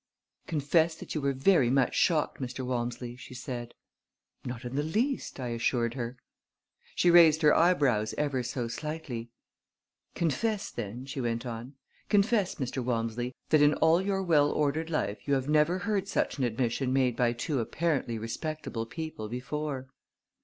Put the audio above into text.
"Confess that you were very much shocked, Mr. Walmsley!" she said. "Not in the least," I assured her. She raised her eyebrows ever so slightly. "Confess, then," she went on, "confess, Mr. Walmsley, that in all your well ordered life you have never heard such an admission made by two apparently respectable people before."